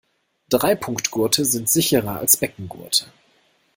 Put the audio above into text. Dreipunktgurte sind sicherer als Beckengurte.